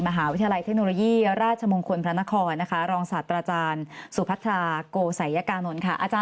มหาวิทยาลัยเทคโนโลยีราชมงคลพระนครรองศัตริย์อาจารย์สุพัฒนาโกไสยกานลค่ะ